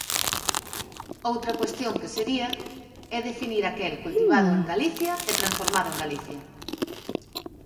Outra cuestión que sería é definir aquel cultivado en Galicia e transformado en Galicia.